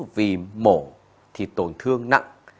vì mổ thì tổn thương nặng